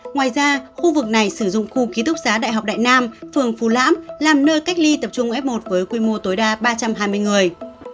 ngoài ra khu vực này sử dụng khu ký túc xá đại học đại nam phường phú lãm làm nơi cách ly tập trung f một với quy mô tối đa ba trăm hai mươi người